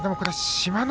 志摩ノ